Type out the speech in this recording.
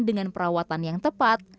dengan perawatan yang tepat